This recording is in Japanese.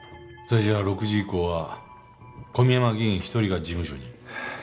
それじゃ６時以降は小宮山議員一人が事務所に？